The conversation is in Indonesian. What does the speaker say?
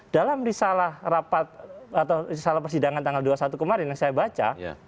dalam risalah rapat atau risalah persidangan tanggal dua puluh satu kemarin yang saya baca